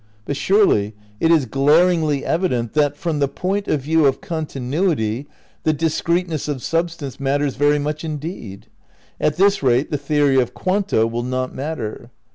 But surely it is glaringly evident that, from the point of view of continuity, the discreteness of substance matters very much indeed. At this rate the theory of Quanta will not matter.